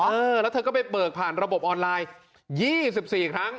เออแล้วเธอก็ไปเบิกผ่านระบบออนไลน์๒๔ครั้ง